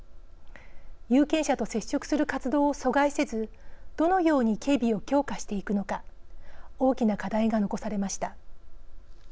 有権者と接触する活動を阻害せずどのように警備を強化していくのか大きな課題が残されました。